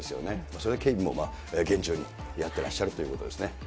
それは警備も厳重にやってらっしゃるということですね。